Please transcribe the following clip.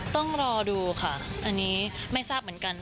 ต้องรอดูค่ะอันนี้ไม่ทราบเหมือนกัน